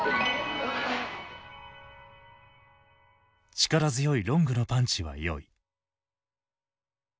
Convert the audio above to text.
「力強いロングのパンチは良い」。